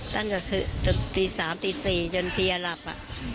ตั้งแต่คืนจนตี๓๔จนเพียรับอ่ะ